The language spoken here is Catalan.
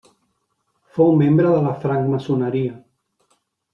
Fou membre de la francmaçoneria.